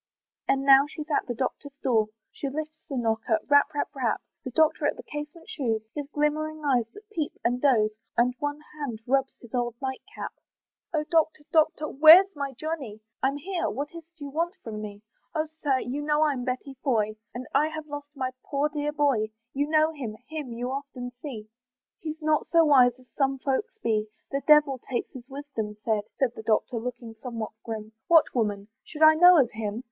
And now she's at the doctor's door, She lifts the knocker, rap, rap, rap, The doctor at the casement shews, His glimmering eyes that peep and doze; And one hand rubs his old night cap. "Oh Doctor! Doctor! where's my Johnny?" "I'm here, what is't you want with me?" "Oh Sir! you know I'm Betty Foy, "And I have lost my poor dear boy, "You know him him you often see; "He's not so wise as some folks be," "The devil take his wisdom!" said The Doctor, looking somewhat grim, "What, woman! should I know of him?"